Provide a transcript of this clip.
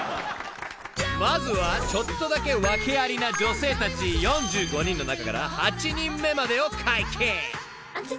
［まずはちょっとだけワケありな女性たち４５人の中から８人目までを解禁］